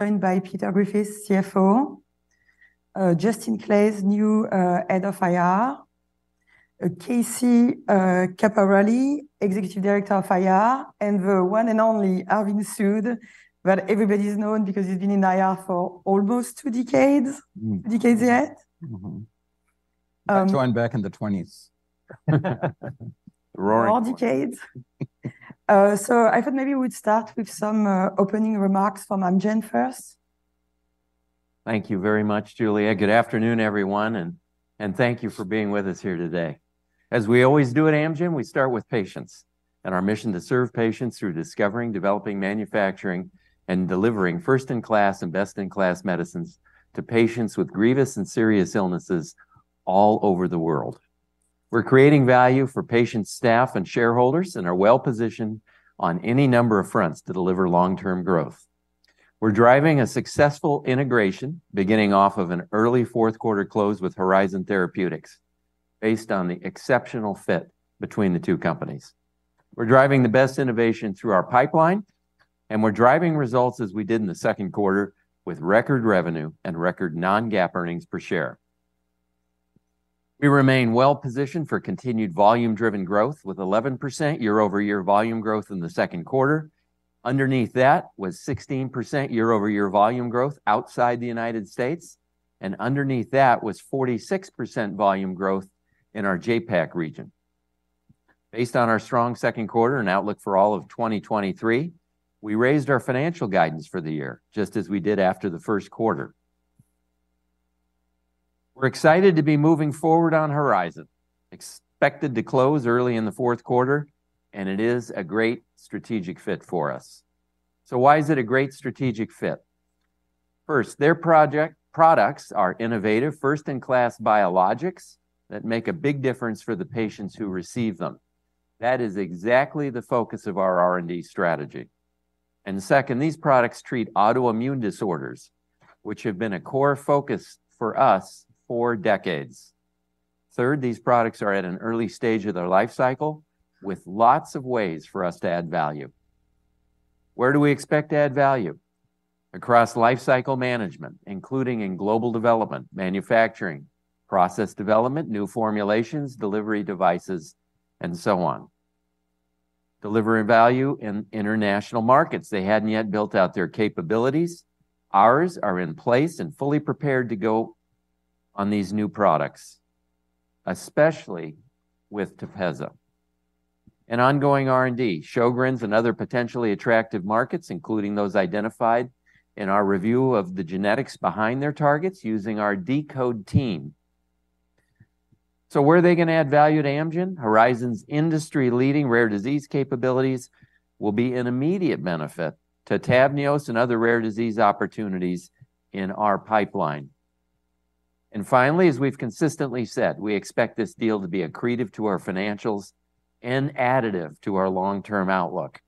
joined by Peter Griffith, CFO, Justin Claeys, new head of IR, Casey Kopor, Executive Director of IR, and the one and only Arvind Sood, that everybody's known because he's been in IR for almost two decades. Decades yet? Mm-hmm. Um- I joined back in the 2020s. Roaring- Roaring decades. So I thought maybe we'd start with some opening remarks from Amgen first. Thank you very much, Julia. Good afternoon, everyone, and thank you for being with us here today. As we always do at Amgen, we start with patients, and our mission to serve patients through discovering, developing, manufacturing, and delivering first-in-class and best-in-class medicines to patients with grievous and serious illnesses all over the world. We're creating value for patients, staff, and shareholders, and are well-positioned on any number of fronts to deliver long-term growth. We're driving a successful integration, beginning off of an early fourth quarter close with Horizon Therapeutics, based on the exceptional fit between the two companies. We're driving the best innovation through our pipeline, and we're driving results as we did in the second quarter, with record revenue and record non-GAAP earnings per share. We remain well-positioned for continued volume-driven growth, with 11% year-over-year volume growth in the second quarter. Underneath that was 16% year-over-year volume growth outside the United States, and underneath that was 46% volume growth in our JAPAC region. Based on our strong second quarter and outlook for all of 2023, we raised our financial guidance for the year, just as we did after the first quarter. We're excited to be moving forward on Horizon, expected to close early in the fourth quarter, and it is a great strategic fit for us. So why is it a great strategic fit? First, their products are innovative, first-in-class biologics that make a big difference for the patients who receive them. That is exactly the focus of our R&D strategy. And second, these products treat autoimmune disorders, which have been a core focus for us for decades. Third, these products are at an early stage of their life cycle, with lots of ways for us to add value. Where do we expect to add value? Across life cycle management, including in global development, manufacturing, process development, new formulations, delivery devices, and so on. Delivering value in international markets. They hadn't yet built out their capabilities. Ours are in place and fully prepared to go on these new products, especially with TEPEZZA. And ongoing R&D, Sjögren's and other potentially attractive markets, including those identified in our review of the genetics behind their targets, using our deCODE team. So where are they going to add value to Amgen? Horizon's industry-leading rare disease capabilities will be an immediate benefit to TAVNEOS and other rare disease opportunities in our pipeline. And finally, as we've consistently said, we expect this deal to be accretive to our financials and additive to our long-term outlook.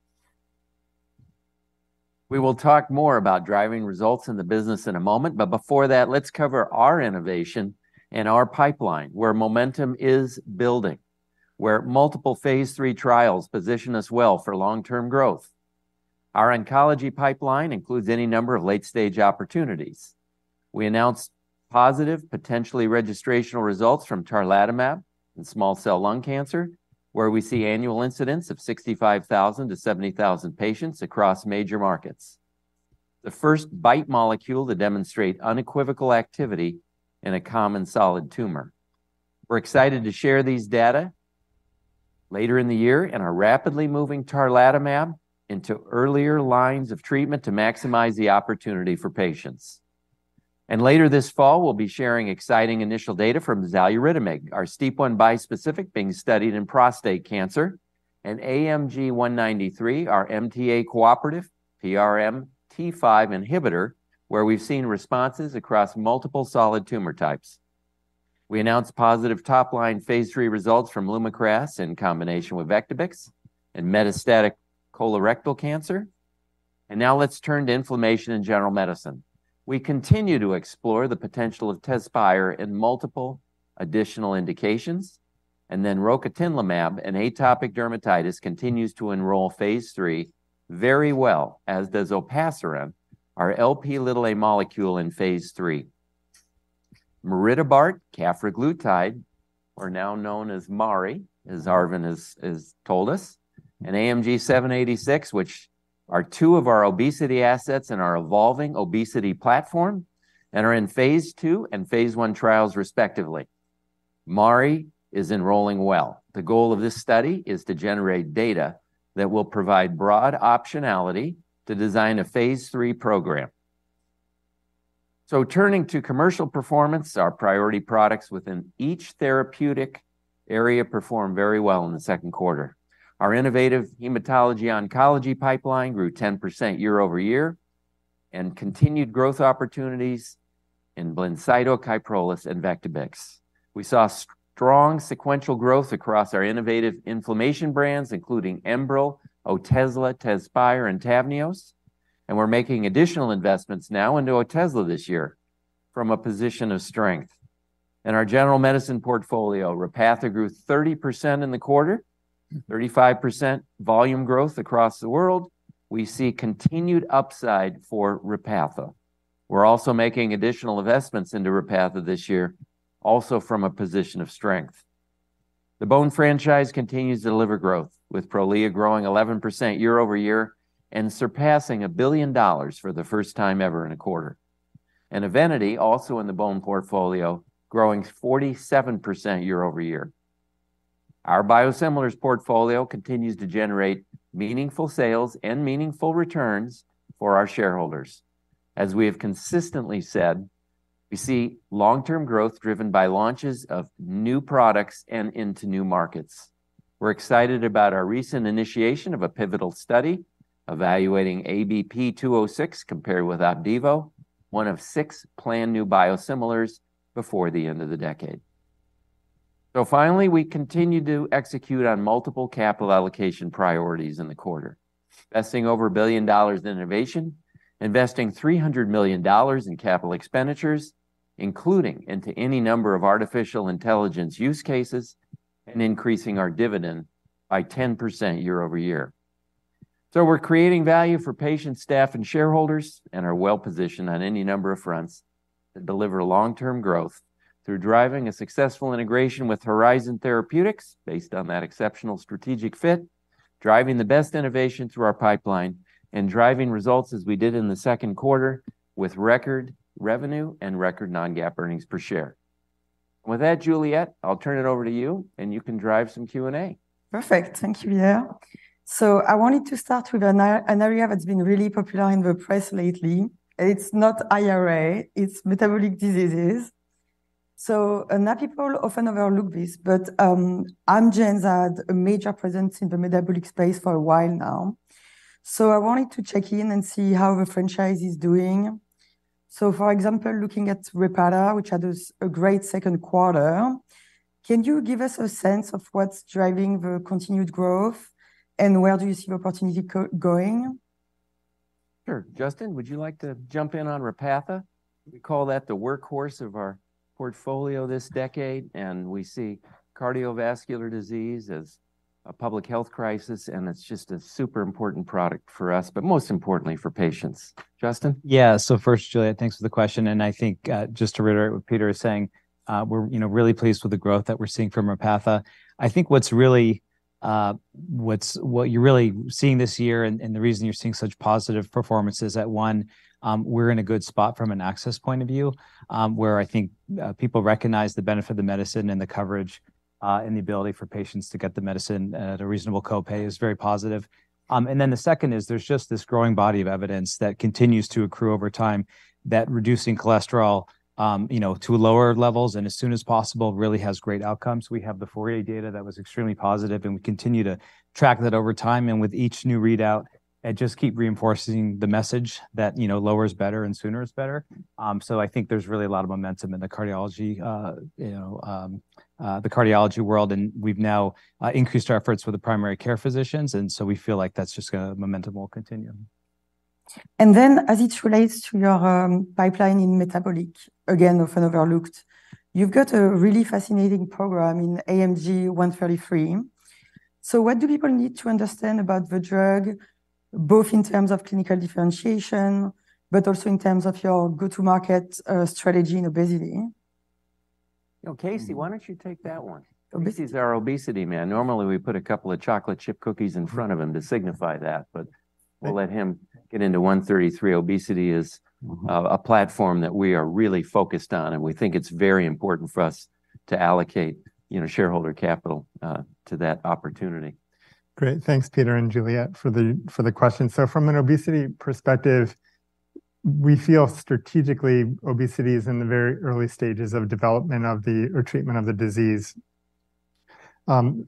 We will talk more about driving results in the business in a moment, but before that, let's cover our innovation and our pipeline, where momentum is building, where multiple Phase III trials position us well for long-term growth. Our oncology pipeline includes any number of late-stage opportunities. We announced positive, potentially registrational results from tarlatamab in small cell lung cancer, where we see annual incidence of 65,000-70,000 patients across major markets. The first BiTE molecule to demonstrate unequivocal activity in a common solid tumor. We're excited to share these data later in the year and are rapidly moving tarlatamab into earlier lines of treatment to maximize the opportunity for patients. Later this fall, we'll be sharing exciting initial data from xaluritamig, our STEAP1 bispecific being studied in prostate cancer, and AMG 193, our MTA-cooperative PRMT5 inhibitor, where we've seen responses across multiple solid tumor types. We announced positive top-line phase III results from LUMAKRAS in combination with Vectibix and metastatic colorectal cancer. Now let's turn to inflammation and general medicine. We continue to explore the potential of TEZSPIRE in multiple additional indications, and then rocatinlimab in atopic dermatitis, continues to enroll phase III very well, as does olpasiran, our Lp(a) molecule in phase III. MariTide, or now known as MariTide, as Arvind has, has told us, and AMG 786, which are two of our obesity assets in our evolving obesity platform, and are in phase II and phase I trials, respectively. MariTide is enrolling well. The goal of this study is to generate data that will provide broad optionality to design a phase III program. Turning to commercial performance, our priority products within each therapeutic area performed very well in the second quarter. Our innovative hematology oncology pipeline grew 10% year-over-year, and continued growth opportunities in BLINCYTO, Kyprolis, and Vectibix. We saw strong sequential growth across our innovative inflammation brands, including Enbrel, Otezla, TEZSPIRE, and TAVNEOS. We're making additional investments now into Otezla this year from a position of strength... and our general medicine portfolio, Repatha grew 30% in the quarter, 35% volume growth across the world. We see continued upside for Repatha. We're also making additional investments into Repatha this year, also from a position of strength. The bone franchise continues to deliver growth, with Prolia growing 11% year-over-year, and surpassing $1 billion for the first time ever in a quarter. Evenity, also in the bone portfolio, growing 47% year-over-year. Our biosimilars portfolio continues to generate meaningful sales and meaningful returns for our shareholders. As we have consistently said, we see long-term growth driven by launches of new products and into new markets. We're excited about our recent initiation of a pivotal study evaluating ABP 206 compared with Opdivo, one of six planned new biosimilars before the end of the decade. Finally, we continue to execute on multiple capital allocation priorities in the quarter. Investing over $1 billion in innovation, investing $300 million in capital expenditures, including into any number of artificial intelligence use cases, and increasing our dividend by 10% year-over-year. So we're creating value for patients, staff, and shareholders, and are well-positioned on any number of fronts to deliver long-term growth through driving a successful integration with Horizon Therapeutics, based on that exceptional strategic fit, driving the best innovation through our pipeline, and driving results as we did in the second quarter, with record revenue and record non-GAAP earnings per share. With that, Juliette, I'll turn it over to you, and you can drive some Q&A. Perfect. Thank you, Peter. So I wanted to start with an area that's been really popular in the press lately. It's not IRA, it's metabolic diseases. So, and people often overlook this, but Amgen's had a major presence in the metabolic space for a while now. So I wanted to check in and see how the franchise is doing. So, for example, looking at Repatha, which had a great second quarter, can you give us a sense of what's driving the continued growth, and where do you see the opportunity going? Sure. Justin, would you like to jump in on Repatha? We call that the workhorse of our portfolio this decade, and we see cardiovascular disease as a public health crisis, and it's just a super important product for us, but most importantly for patients. Justin? Yeah. So first, Juliette, thanks for the question, and I think, just to reiterate what Peter is saying, we're, you know, really pleased with the growth that we're seeing from Repatha. I think what's really, what you're really seeing this year, and, and the reason you're seeing such positive performance is that, one, we're in a good spot from an access point of view, where I think, people recognize the benefit of the medicine and the coverage, and the ability for patients to get the medicine at a reasonable co-pay is very positive. And then the second is, there's just this growing body of evidence that continues to accrue over time, that reducing cholesterol, you know, to lower levels and as soon as possible, really has great outcomes. We have the FOURIER data that was extremely positive, and we continue to track that over time, and with each new readout, and just keep reinforcing the message that, you know, lower is better and sooner is better. So I think there's really a lot of momentum in the cardiology, you know, the cardiology world, and we've now increased our efforts with the primary care physicians, and so we feel like that's just going to momentum will continue. And then, as it relates to your pipeline in metabolic, again, often overlooked, you've got a really fascinating program in AMG 133. So what do people need to understand about the drug, both in terms of clinical differentiation, but also in terms of your go-to-market strategy in obesity? You know, Casey, why don't you take that one? Obesity is our obesity, man. Normally, we put a couple of chocolate chip cookies in front of him to signify that, but we'll let him get into 133. Obesity is. Mm-hmm A platform that we are really focused on, and we think it's very important for us to allocate, you know, shareholder capital, to that opportunity. Great. Thanks, Peter and Juliette, for the question. So from an obesity perspective, we feel strategically, obesity is in the very early stages of development or treatment of the disease. And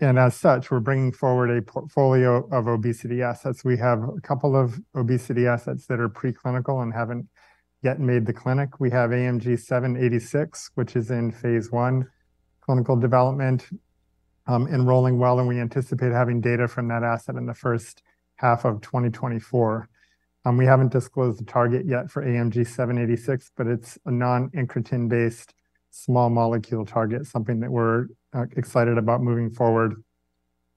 as such, we're bringing forward a portfolio of obesity assets. We have a couple of obesity assets that are preclinical and haven't yet made the clinic. We have AMG 786, which is in phase I clinical development, enrolling well, and we anticipate having data from that asset in the first half of 2024. We haven't disclosed the target yet for AMG 786, but it's a non-incretin-based small molecule target, something that we're excited about moving forward.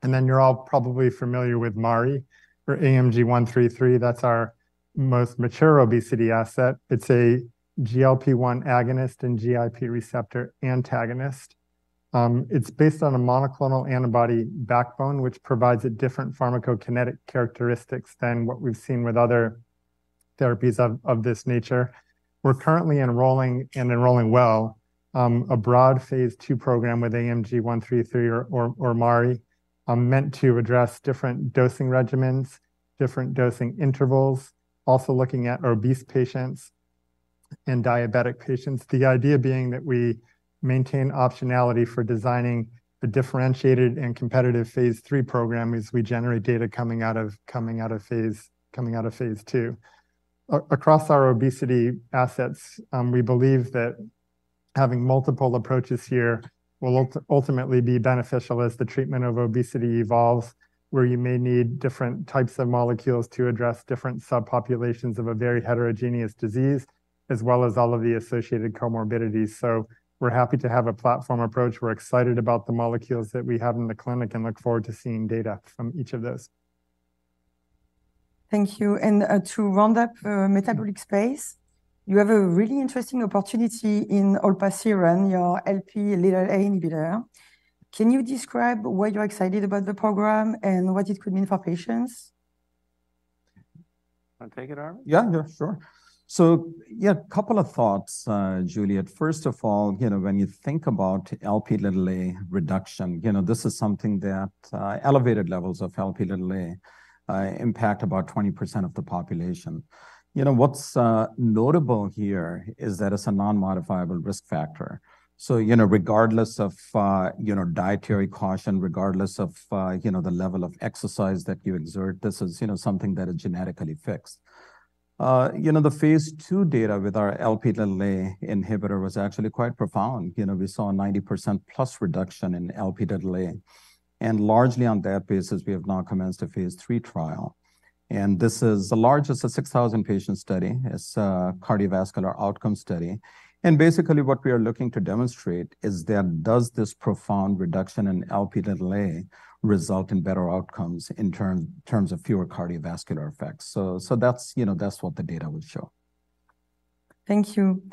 And then you're all probably familiar with mari, or AMG 133. That's our most mature obesity asset. It's a GLP-1 agonist and GIP receptor antagonist. It's based on a monoclonal antibody backbone, which provides a different pharmacokinetic characteristics than what we've seen with other therapies of this nature. We're currently enrolling, and enrolling well, a broad phase II program with AMG 133 or MariTide, meant to address different dosing regimens, different dosing intervals, also looking at obese patients and diabetic patients. The idea being that we maintain optionality for designing a differentiated and competitive phase III program as we generate data coming out of phase II. Across our obesity assets, we believe that having multiple approaches here will ultimately be beneficial as the treatment of obesity evolves, where you may need different types of molecules to address different subpopulations of a very heterogeneous disease, as well as all of the associated comorbidities. So we're happy to have a platform approach. We're excited about the molecules that we have in the clinic, and look forward to seeing data from each of those. Thank you. To round up, metabolic space, you have a really interesting opportunity in olpasiran, your Lp inhibitor. Can you describe why you're excited about the program and what it could mean for patients? Want to take it, Arvind? Yeah, sure. So, yeah, a couple of thoughts, Juliette. First of all, you know, when you think about Lp(a) reduction, you know, this is something that elevated levels of Lp(a) impact about 20% of the population. You know, what's notable here is that it's a non-modifiable risk factor. So, you know, regardless of you know, dietary caution, regardless of you know, the level of exercise that you exert, this is you know, something that is genetically fixed. You know, the phase 2 data with our Lp(a) inhibitor was actually quite profound. You know, we saw a 90%+ reduction in Lp(a), and largely on that basis, we have now commenced a phase 3 trial. And this is the largest, a 6,000-patient study. It's a cardiovascular outcome study, and basically what we are looking to demonstrate is that, does this profound reduction in Lp result in better outcomes in terms of fewer cardiovascular effects? So, that's, you know, that's what the data would show. Thank you.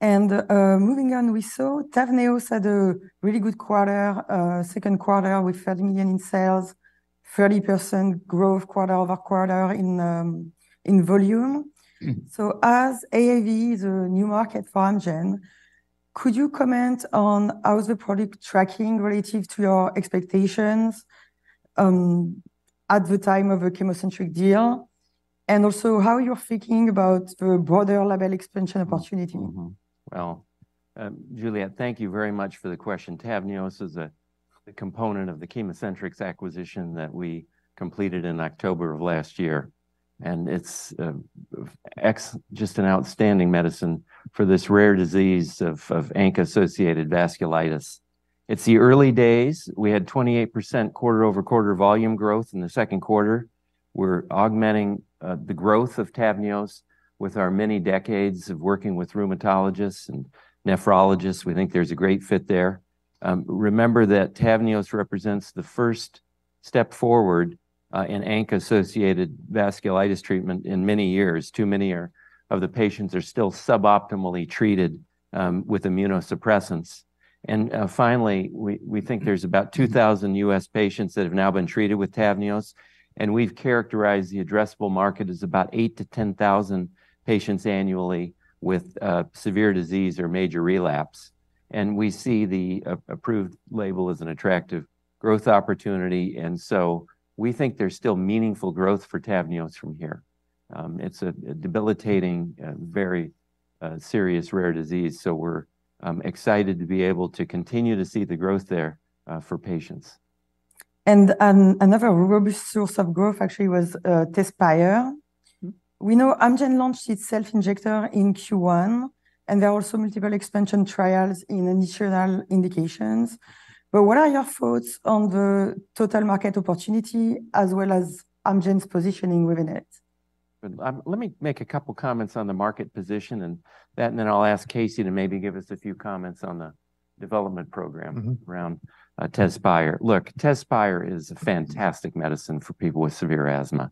Moving on, we saw TAVNEOS had a really good quarter, second quarter with $30 million in sales, 30% growth quarter-over-quarter in volume. Mm-hmm. As AAV, the new market for Amgen, could you comment on how's the product tracking relative to your expectations at the time of a ChemoCentryx deal? And also, how are you thinking about the broader label expansion opportunity? Well, Juliette, thank you very much for the question. TAVNEOS is a component of the ChemoCentryx acquisition that we completed in October of last year, and it's just an outstanding medicine for this rare disease of ANCA-associated vasculitis. It's the early days. We had 28% quarter-over-quarter volume growth in the second quarter. We're augmenting the growth of TAVNEOS with our many decades of working with rheumatologists and nephrologists. We think there's a great fit there. Remember that TAVNEOS represents the first step forward in ANCA-associated vasculitis treatment in many years. Too many of the patients are still suboptimally treated with immunosuppressants. And, finally, we think there's about 2,000 U.S. patients that have now been treated with TAVNEOS, and we've characterized the addressable market as about 8,000-10,000 patients annually with severe disease or major relapse. And we see the approved label as an attractive growth opportunity, and so we think there's still meaningful growth for TAVNEOS from here. It's a debilitating, very serious rare disease, so we're excited to be able to continue to see the growth there, for patients. Another robust source of growth actually was TEZSPIRE. Mm-hmm. We know Amgen launched its self-injector in Q1, and there are also multiple expansion trials in additional indications. But what are your thoughts on the total market opportunity, as well as Amgen's positioning within it? Let me make a couple comments on the market position and that, and then I'll ask Casey to maybe give us a few comments on the development program Mm-hmm Around TEZSPIRE. Look, TEZSPIRE is a fantastic medicine for people with severe asthma.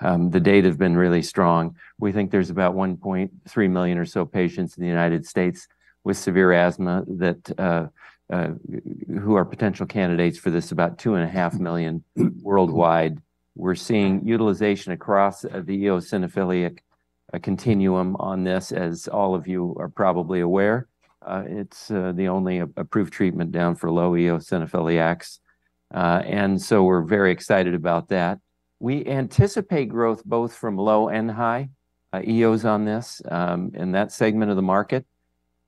The data have been really strong. We think there's about 1.3 million or so patients in the United States with severe asthma that, who are potential candidates for this, about 2.5 million worldwide. We're seeing utilization across the eosinophilic continuum on this, as all of you are probably aware. It's the only approved treatment for low eosinophiliacs, and so we're very excited about that. We anticipate growth both from low and high eos on this, in that segment of the market,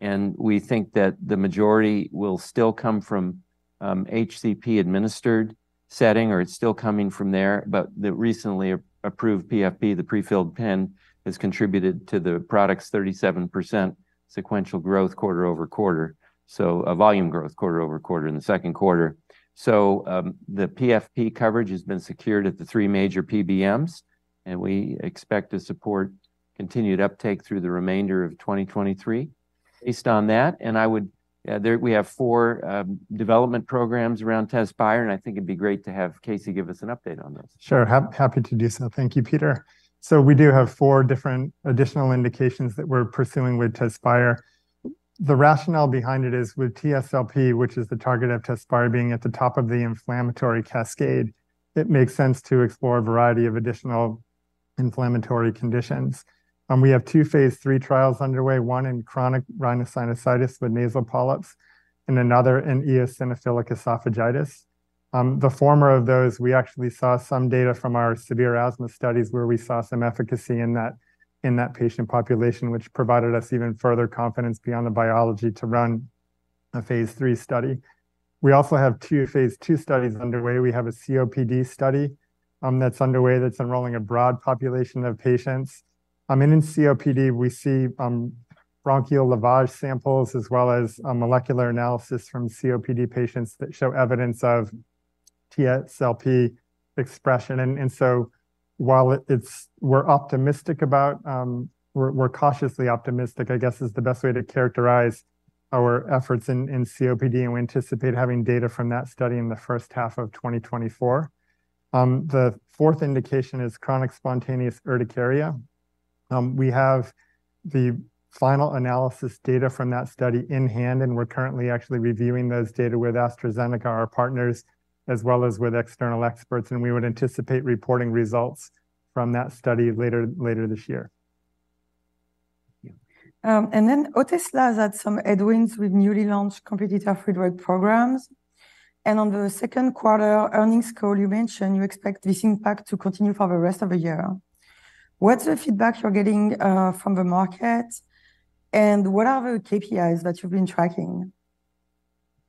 and we think that the majority will still come from HCP administered setting, or it's still coming from there. The recently approved PFP, the prefilled pen, has contributed to the product's 37% sequential growth quarter-over-quarter, so a volume growth quarter-over-quarter in the second quarter. So, the PFP coverage has been secured at the three major PBMs, and we expect to support continued uptake through the remainder of 2023. Based on that, we have four development programs around TEZSPIRE, and I think it'd be great to have Casey give us an update on this. Sure. Happy to do so. Thank you, Peter. So we do have 4 different additional indications that we're pursuing with TEZSPIRE. The rationale behind it is, with TSLP, which is the target of TEZSPIRE, being at the top of the inflammatory cascade, it makes sense to explore a variety of additional inflammatory conditions. We have 2 phase 3 trials underway, one in chronic rhinosinusitis with nasal polyps and another in eosinophilic esophagitis. The former of those, we actually saw some data from our severe asthma studies, where we saw some efficacy in that, in that patient population, which provided us even further confidence beyond the biology to run a phase 3 study. We also have 2 phase 2 studies underway. We have a COPD study that's underway that's enrolling a broad population of patients. And in COPD, we see bronchial lavage samples as well as a molecular analysis from COPD patients that show evidence of TSLP expression. And so while it's, we're optimistic about, we're cautiously optimistic, I guess, is the best way to characterize our efforts in COPD, and we anticipate having data from that study in the first half of 2024. The fourth indication is chronic spontaneous urticaria. We have the final analysis data from that study in hand, and we're currently actually reviewing those data with AstraZeneca, our partners, as well as with external experts, and we would anticipate reporting results from that study later this year. Then Otezla has had some headwinds with newly launched competitor free drug programs. On the second quarter earnings call, you mentioned you expect this impact to continue for the rest of the year. What's the feedback you're getting from the market? What are the KPIs that you've been tracking?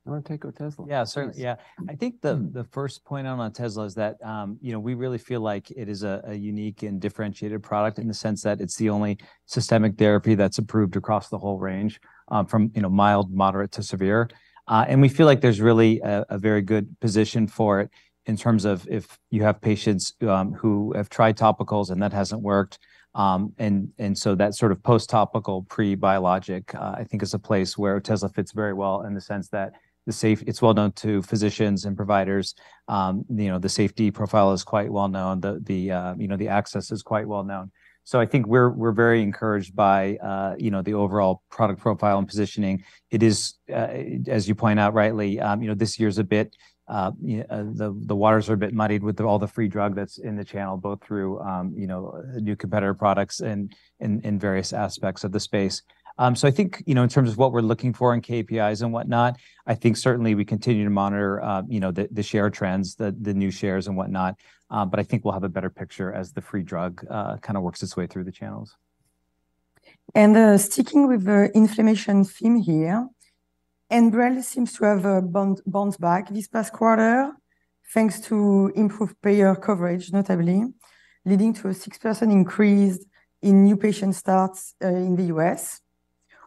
You want to take Otezla? Yeah, certainly. Yeah. I think the first point on Otezla is that, you know, we really feel like it is a unique and differentiated product in the sense that it's the only systemic therapy that's approved across the whole range from, you know, mild, moderate to severe. And we feel like there's really a very good position for it in terms of if you have patients who have tried topicals and that hasn't worked. And so that sort of post-topical, pre-biologic, I think is a place where Otezla fits very well in the sense that the safe- it's well known to physicians and providers. You know, the safety profile is quite well known. The, you know, the access is quite well known. So I think we're very encouraged by, you know, the overall product profile and positioning. It is, as you point out, rightly, you know, this year's a bit, the waters are a bit muddied with all the free drug that's in the channel, both through, you know, new competitor products and in various aspects of the space. So I think, you know, in terms of what we're looking for in KPIs and whatnot, I think certainly we continue to monitor, you know, the share trends, the new shares and whatnot. But I think we'll have a better picture as the free drug, kinda works its way through the channels. Sticking with the inflammation theme here, Enbrel seems to have bounced back this past quarter, thanks to improved payer coverage, notably, leading to a 6% increase in new patient starts, in the US.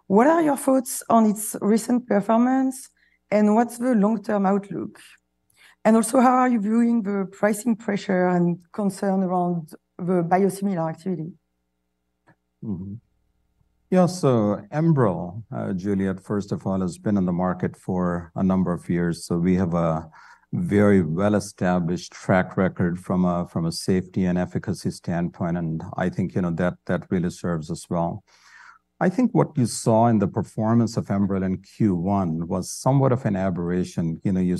What are your thoughts on its recent performance, and what's the long-term outlook? And also, how are you viewing the pricing pressure and concern around the biosimilar activity? Mm-hmm. Yeah, so Enbrel, Juliette, first of all, has been on the market for a number of years, so we have a very well-established track record from a safety and efficacy standpoint, and I think, you know, that really serves us well. I think what you saw in the performance of Enbrel in Q1 was somewhat of an aberration. You know, you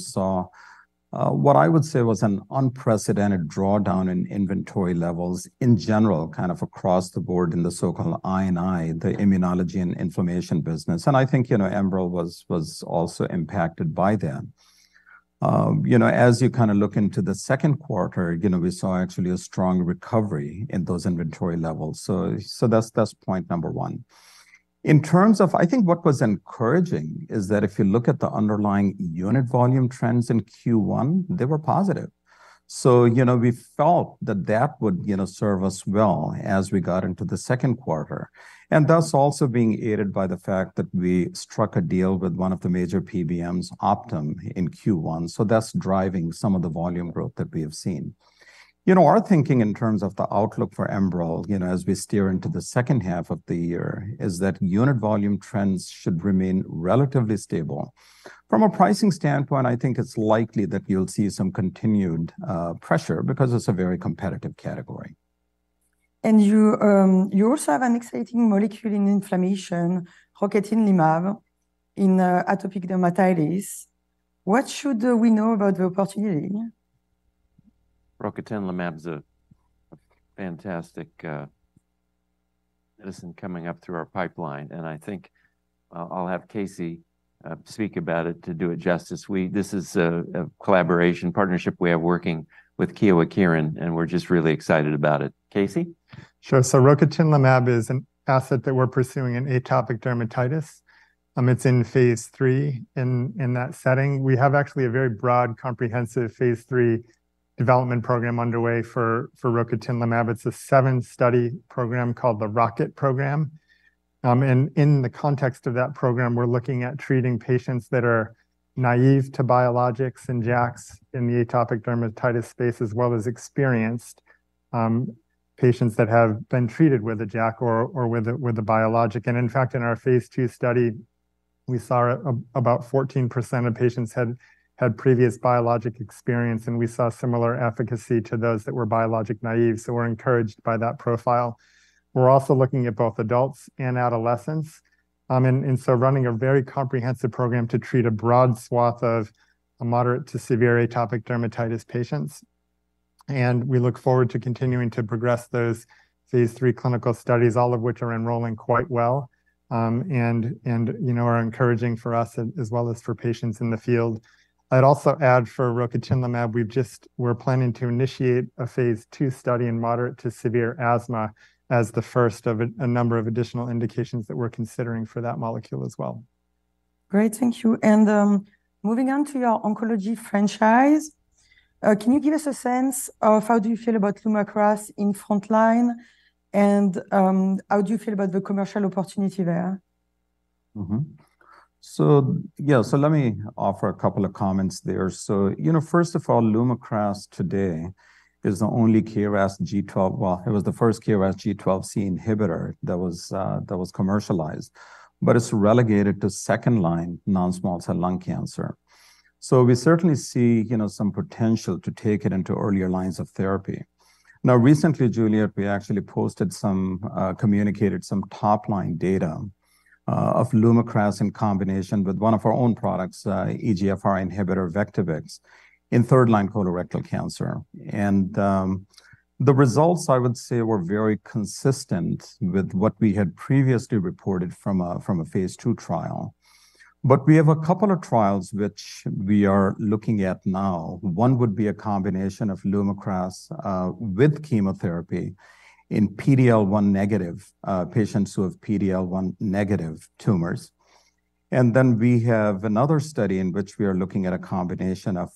saw what I would say was an unprecedented drawdown in inventory levels in general, kind of across the board in the so-called I and I, the immunology and inflammation business, and I think, you know, Enbrel was also impacted by that. You know, as you kinda look into the second quarter, you know, we saw actually a strong recovery in those inventory levels. So that's point number 1. In terms of... I think what was encouraging is that if you look at the underlying unit volume trends in Q1, they were positive. So, you know, we felt that that would, you know, serve us well as we got into the second quarter. And that's also being aided by the fact that we struck a deal with one of the major PBMs, Optum, in Q1, so that's driving some of the volume growth that we have seen. You know, our thinking in terms of the outlook for Enbrel, you know, as we steer into the second half of the year, is that unit volume trends should remain relatively stable. From a pricing standpoint, I think it's likely that you'll see some continued pressure because it's a very competitive category. You, you also have an exciting molecule in inflammation, rocatinlimab, in atopic dermatitis. What should we know about the opportunity? Rocatinlimab's a fantastic medicine coming up through our pipeline, and I think I'll have Casey speak about it to do it justice. This is a collaboration partnership we have working with Kyowa Kirin, and we're just really excited about it. Casey? Sure. So rocatinlimab is an asset that we're pursuing in atopic dermatitis. It's in phase 3 in that setting. We have actually a very broad, comprehensive phase 3 development program underway for rocatinlimab. It's a seven-study program called the ROCKET program. And in the context of that program, we're looking at treating patients that are naive to biologics and JAKs in the atopic dermatitis space, as well as experienced patients that have been treated with a JAK or with a biologic. And in fact, in our phase 2 study, we saw about 14% of patients had previous biologic experience, and we saw similar efficacy to those that were biologic naive, so we're encouraged by that profile. We're also looking at both adults and adolescents, and so running a very comprehensive program to treat a broad swath of a moderate to severe atopic dermatitis patients. We look forward to continuing to progress those phase III clinical studies, all of which are enrolling quite well, you know, are encouraging for us as well as for patients in the field. I'd also add for rocatinlimab, we're planning to initiate a phase II study in moderate to severe asthma as the first of a number of additional indications that we're considering for that molecule as well. Great, thank you. Moving on to your oncology franchise, can you give us a sense of how do you feel about LUMAKRAS in frontline, and, how do you feel about the commercial opportunity there? So yeah, so let me offer a couple of comments there. So, you know, first of all, LUMAKRAS today is the only KRAS G12C. Well, it was the first KRAS G12C inhibitor that was commercialized, but it's relegated to second-line non-small cell lung cancer. So we certainly see, you know, some potential to take it into earlier lines of therapy. Now, recently, Juliet, we actually posted some communicated some top-line data of LUMAKRAS in combination with one of our own products, EGFR inhibitor, Vectibix, in third-line colorectal cancer. And, the results, I would say, were very consistent with what we had previously reported from a phase two trial. But we have a couple of trials which we are looking at now. One would be a combination of LUMAKRAS with chemotherapy in PD-L1 negative patients who have PD-L1 negative tumors. And then we have another study in which we are looking at a combination of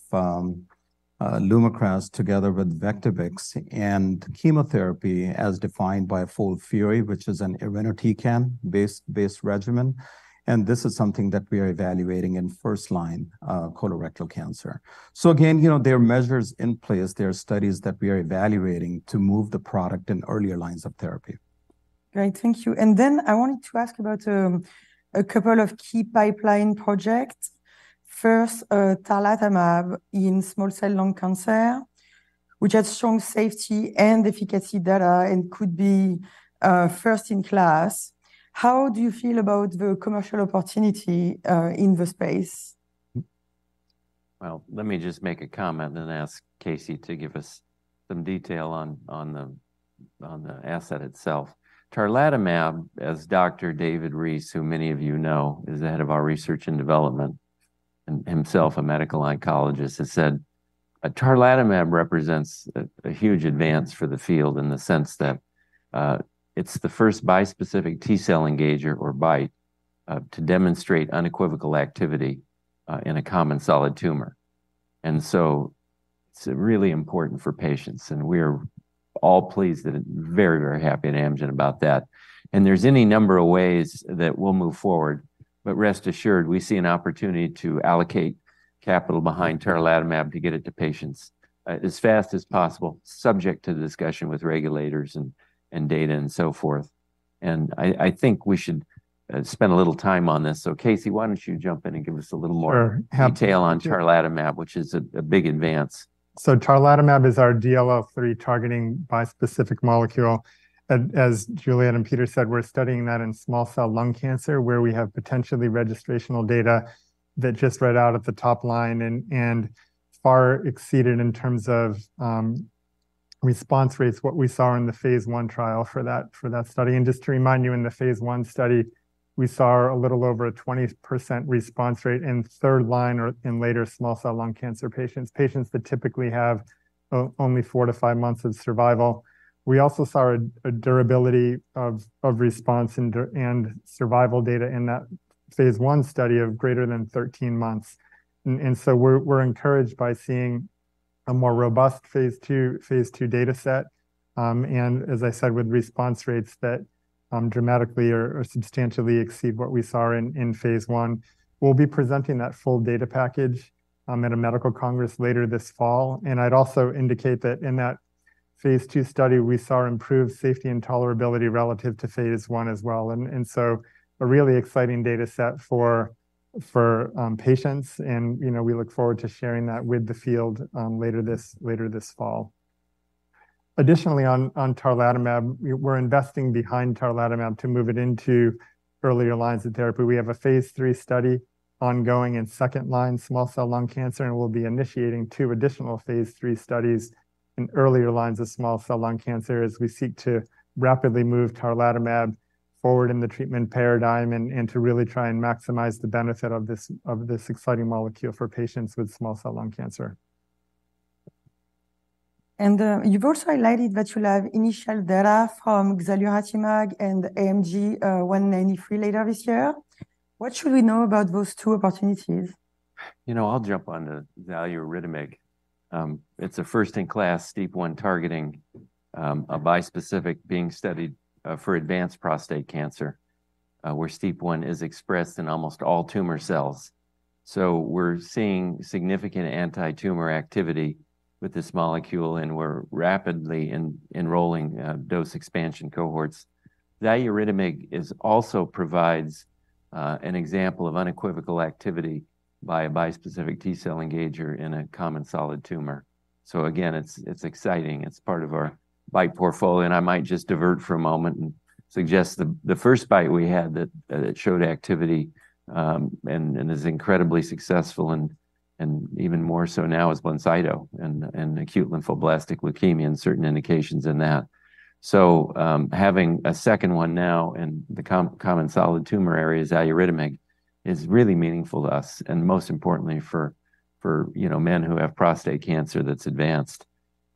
LUMAKRAS together with Vectibix and chemotherapy as defined by FOLFIRI, which is an irinotecan-based regimen, and this is something that we are evaluating in first-line colorectal cancer. So again, you know, there are measures in place, there are studies that we are evaluating to move the product in earlier lines of therapy. Great, thank you. Then I wanted to ask about a couple of key pipeline projects. First, tarlatamab in small cell lung cancer, which has strong safety and efficacy data and could be first in class. How do you feel about the commercial opportunity in the space? Well, let me just make a comment and then ask Casey to give us some detail on the asset itself. Tarlatamab, as Dr. David Reese, who many of you know, is the head of our research and development, and himself a medical oncologist, has said, "Tarlatamab represents a huge advance for the field in the sense that it's the first bispecific T-cell engager or BiTE to demonstrate unequivocal activity in a common solid tumor." And so it's really important for patients, and we're all pleased and very, very happy at Amgen about that. And there's any number of ways that we'll move forward, but rest assured, we see an opportunity to allocate capital behind tarlatamab to get it to patients as fast as possible, subject to the discussion with regulators and data and so forth. And I think we should spend a little time on this. So, Casey, why don't you jump in and give us a little more. Sure, happy. Detail on tarlatamab, which is a big advance. So tarlatamab is our DLL3-targeting bispecific molecule. As Juliette and Peter said, we're studying that in small cell lung cancer, where we have potentially registrational data that just read out at the top line and far exceeded in terms of response rates, what we saw in the phase 1 trial for that study. Just to remind you, in the phase 1 study, we saw a little over a 20% response rate in third line or in later small cell lung cancer patients, patients that typically have only 4-5 months of survival. We also saw a durability of response and survival data in that phase 1 study of greater than 13 months. And so we're encouraged by seeing a more robust phase 2 dataset, and as I said, with response rates that dramatically or substantially exceed what we saw in phase 1. We'll be presenting that full data package at a medical congress later this fall. And I'd also indicate that in that phase 2 study, we saw improved safety and tolerability relative to phase 1 as well. And so a really exciting dataset for patients, and you know, we look forward to sharing that with the field later this fall. Additionally, on tarlatamab, we're investing behind tarlatamab to move it into earlier lines of therapy. We have a phase 3 study ongoing in second-line small cell lung cancer, and we'll be initiating two additional phase 3 studies in earlier lines of small cell lung cancer as we seek to rapidly move tarlatamab forward in the treatment paradigm, and to really try and maximize the benefit of this exciting molecule for patients with small cell lung cancer. You've also highlighted that you'll have initial data from xaluritamig and AMG 193 later this year. What should we know about those two opportunities? You know, I'll jump on to xaluritamig. It's a first-in-class STEAP1 targeting a bispecific being studied for advanced prostate cancer, where STEAP1 is expressed in almost all tumor cells. So we're seeing significant anti-tumor activity with this molecule, and we're rapidly enrolling dose expansion cohorts. Xaluritamig also provides an example of unequivocal activity by a bispecific T-cell engager in a common solid tumor. So again, it's exciting. It's part of our BiTE portfolio, and I might just divert for a moment and suggest the first BiTE we had that showed activity and is incredibly successful, and even more so now, is BLINCYTO in acute lymphoblastic leukemia, and certain indications in that. So, having a second one now in the common solid tumor area, xaluritamig, is really meaningful to us, and most importantly, for, for, you know, men who have prostate cancer that's advanced.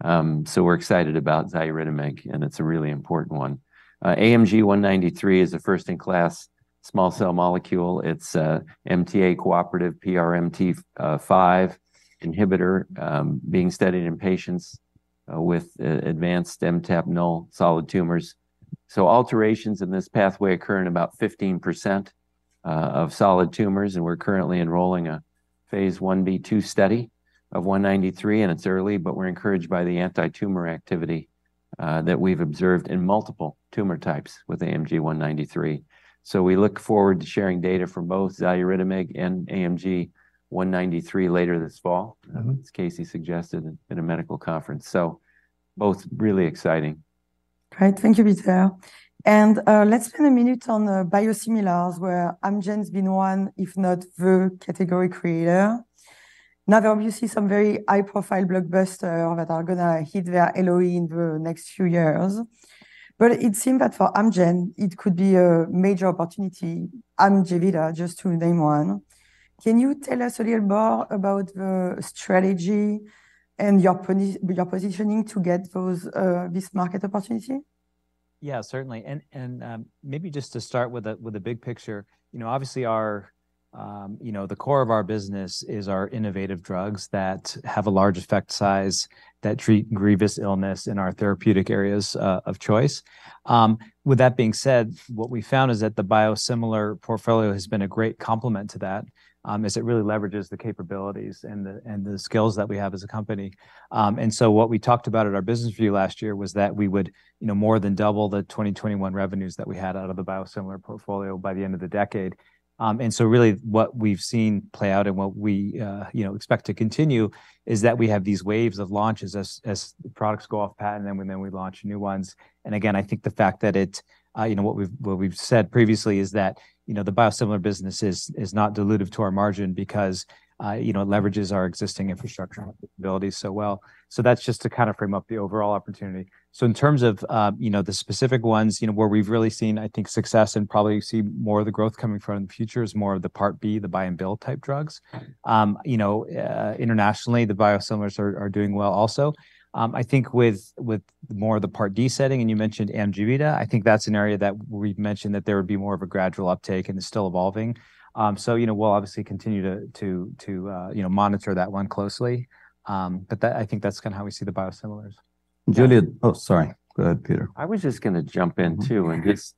So we're excited about xaluritamig, and it's a really important one. AMG 193 is a first-in-class small molecule. It's a MTA-cooperative PRMT5 inhibitor, being studied in patients with advanced MTAP null solid tumors. So alterations in this pathway occur in about 15%, of solid tumors, and we're currently enrolling a phase 1b2 study of 193, and it's early, but we're encouraged by the anti-tumor activity that we've observed in multiple tumor types with AMG 193. So we look forward to sharing data from both xaluritamig and AMG 193 later this fall. Mm-hmm As Casey suggested in a medical conference. So both really exciting. Great. Thank you, Peter. And, let's spend a minute on the biosimilars, where Amgen's been one, if not the category creator. Now, there are obviously some very high-profile blockbuster that are going to hit their LOE in the next few years. But it seemed that for Amgen, it could be a major opportunity, AMJEVITA, just to name one. Can you tell us a little more about the strategy and your positioning to get those, this market opportunity? Yeah, certainly. Maybe just to start with a big picture, you know, obviously our you know, the core of our business is our innovative drugs that have a large effect size, that treat grievous illness in our therapeutic areas of choice. With that being said, what we found is that the biosimilar portfolio has been a great complement to that, as it really leverages the capabilities and the skills that we have as a company. And so what we talked about at our business review last year was that we would, you know, more than double the 2021 revenues that we had out of the biosimilar portfolio by the end of the decade. And so really what we've seen play out and what we, you know, expect to continue, is that we have these waves of launches as products go off patent, and then we launch new ones. And again, I think the fact that it, you know, what we've said previously is that, you know, the biosimilar business is not dilutive to our margin because, you know, it leverages our existing infrastructure and capabilities so well. So that's just to kind of frame up the overall opportunity. So in terms of, you know, the specific ones, you know, where we've really seen, I think, success and probably see more of the growth coming from in the future is more of the Part B, the buy and bill type drugs. Right. You know, internationally, the biosimilars are doing well also. I think with more of the Part D setting, and you mentioned AMJEVITA, I think that's an area that we've mentioned that there would be more of a gradual uptake, and it's still evolving. So, you know, we'll obviously continue to you know, monitor that one closely. But, I think that's kind of how we see the biosimilars. Juliette- Oh, sorry. Go ahead, Peter. I was just going to jump in to and just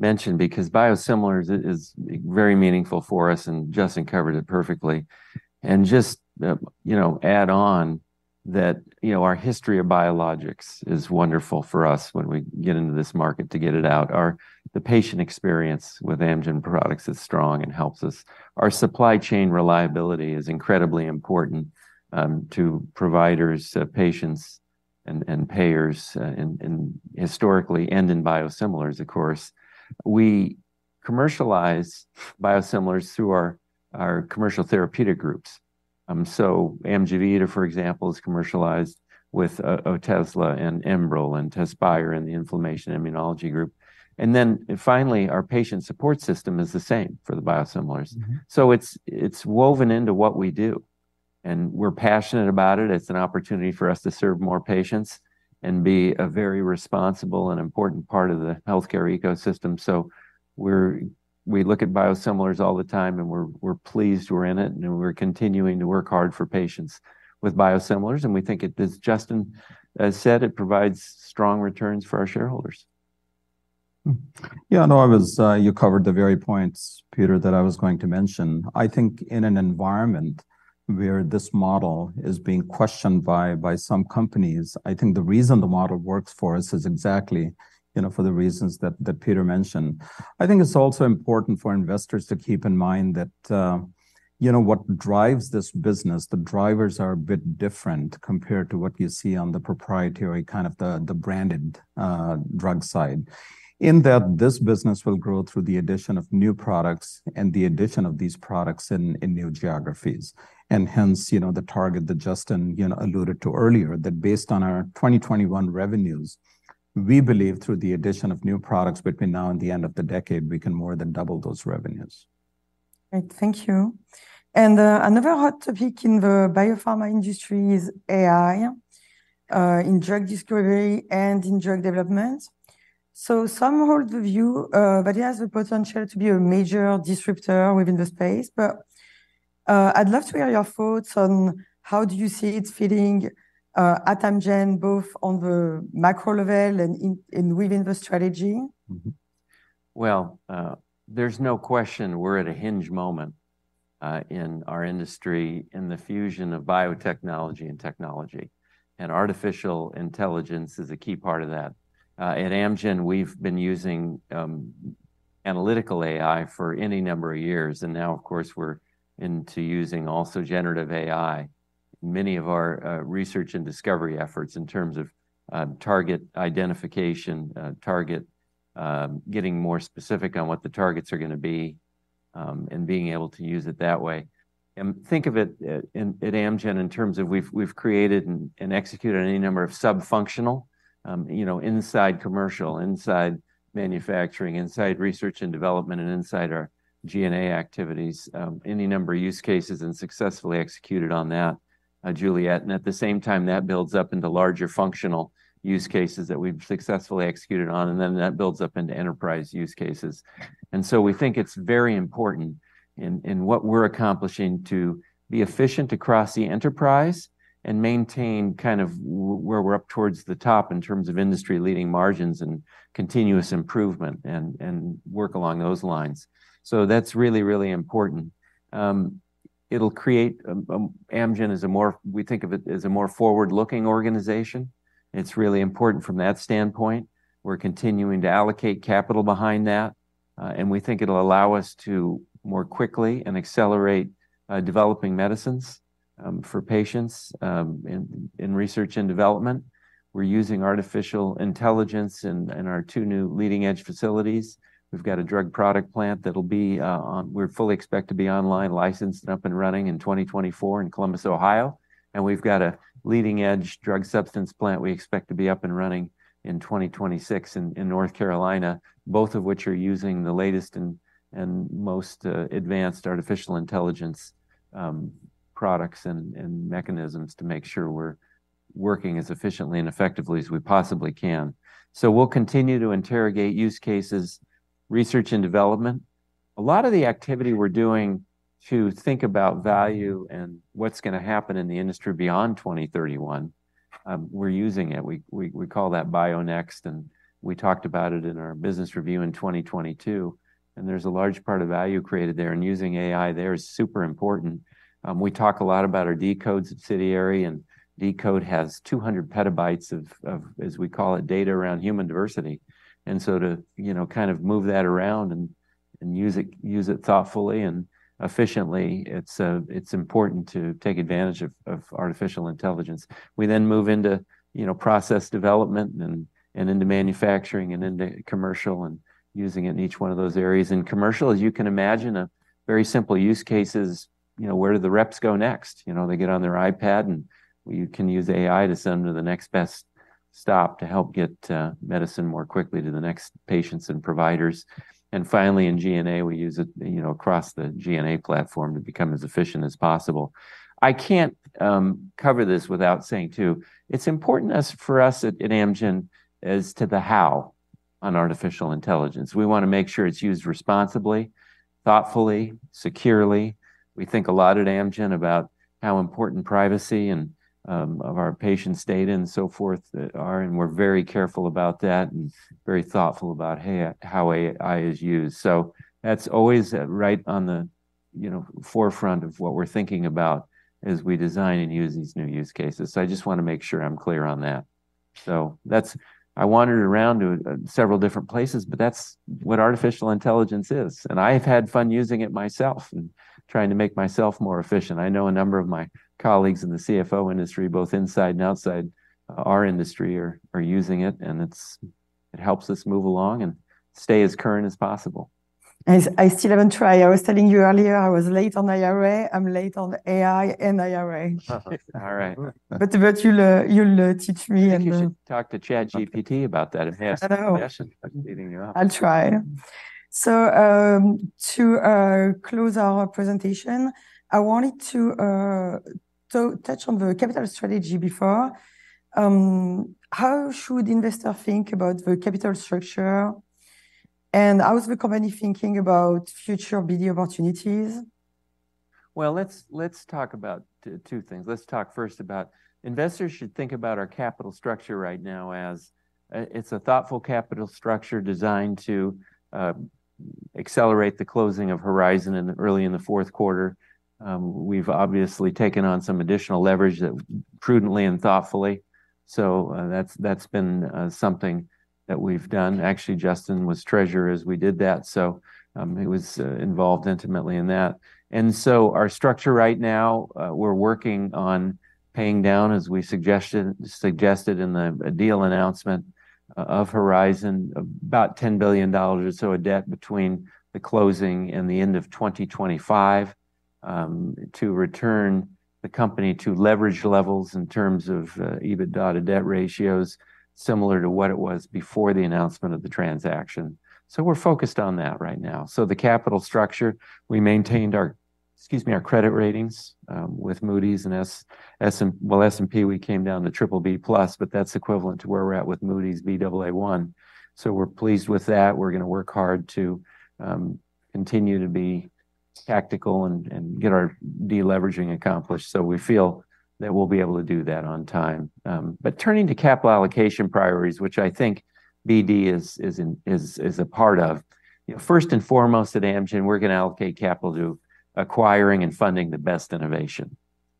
mention, because biosimilars is very meaningful for us, and Justin covered it perfectly. Just, you know, add on that, you know, our history of biologics is wonderful for us when we get into this market to get it out. The patient experience with Amgen products is strong and helps us. Our supply chain reliability is incredibly important to providers, patients, and payers, and historically, and in biosimilars, of course. We commercialize biosimilars through our commercial therapeutic groups. So AMJEVITA, for example, is commercialized with Otezla and Enbrel and TEZSPIRE and the inflammation immunology group. And then, finally, our patient support system is the same for the biosimilars. So it's woven into what we do, and we're passionate about it. It's an opportunity for us to serve more patients and be a very responsible and important part of the healthcare ecosystem. So we look at biosimilars all the time, and we're pleased we're in it, and we're continuing to work hard for patients with biosimilars, and we think Justin has said it provides strong returns for our shareholders. Yeah, no, I was... You covered the very points, Peter, that I was going to mention. I think in an environment where this model is being questioned by some companies, I think the reason the model works for us is exactly, you know, for the reasons that Peter mentioned. I think it's also important for investors to keep in mind that, you know, what drives this business, the drivers are a bit different compared to what you see on the proprietary, kind of the branded drug side. In that, this business will grow through the addition of new products and the addition of these products in new geographies. Hence, you know, the target that Justin, you know, alluded to earlier, that based on our 2021 revenues, we believe through the addition of new products between now and the end of the decade, we can more than double those revenues. Great, thank you. And, another hot topic in the biopharma industry is AI in drug discovery and in drug development. So some hold the view that it has the potential to be a major disruptor within the space, but, I'd love to hear your thoughts on how do you see it fitting at Amgen, both on the macro level and within the strategy? Well, there's no question we're at a hinge moment in our industry, in the fusion of biotechnology and technology, and artificial intelligence is a key part of that. At Amgen, we've been using analytical AI for any number of years, and now, of course, we're into using also generative AI. Many of our research and discovery efforts in terms of target identification, target getting more specific on what the targets are going to be, and being able to use it that way. Think of it at Amgen in terms of we've created and executed any number of sub-functional, you know, inside commercial, inside manufacturing, inside research and development, and inside our GNA activities, any number of use cases, and successfully executed on that. Juliette, and at the same time, that builds up into larger functional use cases that we've successfully executed on, and then that builds up into enterprise use cases. And so we think it's very important in what we're accomplishing to be efficient across the enterprise and maintain kind of where we're up towards the top in terms of industry-leading margins and continuous improvement, and work along those lines. So that's really, really important. It'll create Amgen is a more we think of it as a more forward-looking organization, and it's really important from that standpoint. We're continuing to allocate capital behind that, and we think it'll allow us to more quickly and accelerate developing medicines for patients in research and development. We're using artificial intelligence in our two new leading-edge facilities. We've got a drug product plant that'll be online; we fully expect to be licensed, up and running in 2024 in Columbus, Ohio, and we've got a leading-edge drug substance plant we expect to be up and running in 2026 in North Carolina, both of which are using the latest and most advanced artificial intelligence products and mechanisms to make sure we're working as efficiently and effectively as we possibly can. So we'll continue to interrogate use cases, research and development. A lot of the activity we're doing to think about value and what's going to happen in the industry beyond 2031, we're using it. We call that bionext, and we talked about it in our business review in 2022, and there's a large part of value created there, and using AI there is super important. We talk a lot about our deCODE subsidiary, and deCODE has 200 PB of, as we call it, data around human diversity. And so to, you know, kind of move that around and use it thoughtfully and efficiently, it's important to take advantage of artificial intelligence. We then move into, you know, process development and into manufacturing and into commercial and using it in each one of those areas. In commercial, as you can imagine, a very simple use case is, you know, where do the reps go next? You know, they get on their iPad, and you can use AI to send them to the next best stop to help get medicine more quickly to the next patients and providers. And finally, in G&A, we use it, you know, across the G&A platform to become as efficient as possible. I can't cover this without saying, too, it's important as for us at, in Amgen as to the how on artificial intelligence. We want to make sure it's used responsibly, thoughtfully, securely. We think a lot at Amgen about how important privacy and of our patients' data and so forth are, and we're very careful about that and very thoughtful about how AI is used. So that's always right on the, you know, forefront of what we're thinking about as we design and use these new use cases. So I just want to make sure I'm clear on that. So that's- I wandered around to several different places, but that's what artificial intelligence is, and I've had fun using it myself and trying to make myself more efficient. I know a number of my colleagues in the CFO industry, both inside and outside our industry, are using it, and it helps us move along and stay as current as possible. I still haven't tried. I was telling you earlier, I was late on IRA, I'm late on AI and IRA. All right. But you'll teach me and. I think you should talk to ChatGPT about that and have. I know. I'll try. So, to close our presentation, I wanted to touch on the capital strategy before. How should investors think about the capital structure? And how is the company thinking about future BD opportunities? Well, let's talk about two things. Let's talk first about... Investors should think about our capital structure right now as it's a thoughtful capital structure designed to accelerate the closing of Horizon in early in the fourth quarter. We've obviously taken on some additional leverage that prudently and thoughtfully, so that's been something that we've done. Actually, Justin was treasurer as we did that, so he was involved intimately in that. And so our structure right now, we're working on paying down, as we suggested in the deal announcement of Horizon, about $10 billion, so a debt between the closing and the end of 2025, to return the company to leverage levels in terms of EBITDA to debt ratios, similar to what it was before the announcement of the transaction. So we're focused on that right now. So the capital structure, we maintained our... Excuse me, our credit ratings with Moody's and S&P, we came down to BBB+, but that's equivalent to where we're at with Moody's, Baa1. So we're pleased with that. We're going to work hard to continue to be tactical and get our deleveraging accomplished, so we feel that we'll be able to do that on time. But turning to capital allocation priorities, which I think BD is a part of, first and foremost at Amgen, we're going to allocate capital to acquiring and funding the best innovation.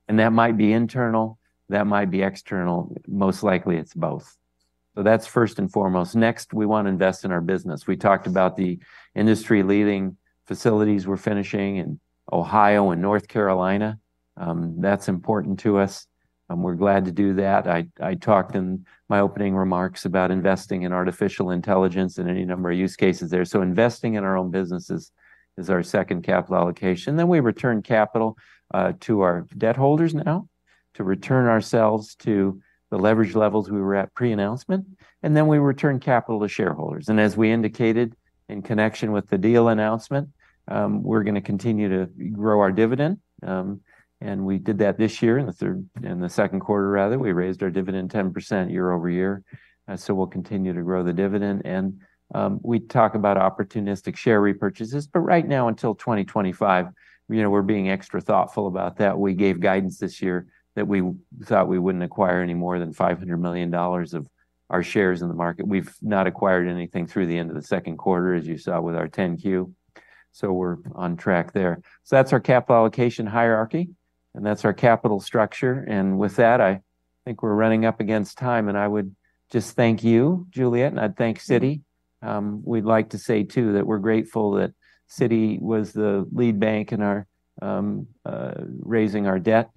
And that might be internal, that might be external, most likely it's both. So that's first and foremost. Next, we want to invest in our business. We talked about the industry-leading facilities we're finishing in Ohio and North Carolina. That's important to us, and we're glad to do that. I talked in my opening remarks about investing in artificial intelligence in any number of use cases there. So investing in our own business is our second capital allocation. Then we return capital to our debt holders now, to return ourselves to the leverage levels we were at pre-announcement, and then we return capital to shareholders. And as we indicated in connection with the deal announcement, we're going to continue to grow our dividend. And we did that this year, in the second quarter rather. We raised our dividend 10% year over year, so we'll continue to grow the dividend. We talk about opportunistic share repurchases, but right now, until 2025, you know, we're being extra thoughtful about that. We gave guidance this year that we thought we wouldn't acquire any more than $500 million of our shares in the market. We've not acquired anything through the end of the second quarter, as you saw with our 10-Q, so we're on track there. That's our capital allocation hierarchy, and that's our capital structure, and with that, I think we're running up against time, and I would just thank you, Juliette, and I'd thank Citi. We'd like to say too, that we're grateful that Citi was the lead bank in our raising our debt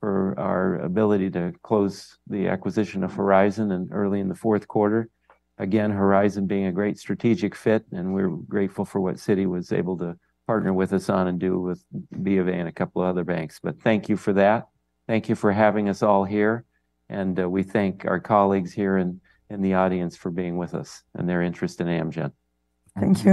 for our ability to close the acquisition of Horizon in early in the fourth quarter. Again, Horizon being a great strategic fit, and we're grateful for what Citi was able to partner with us on and do with BofA and a couple of other banks. But thank you for that. Thank you for having us all here, and we thank our colleagues here in the audience for being with us and their interest in Amgen. Thank you.